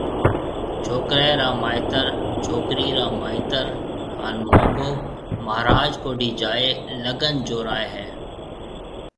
ڇوڪرَي را مائيتر ، ڇوڪرِي را مائيتر ھان مونگون مھاراج ڪوڊِي جائيَ لڳن جورائيَ ھيََََ